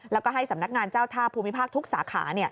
แล้วก็ให้สำนักงานเจ้าท่าภูมิภาคทุกสาขา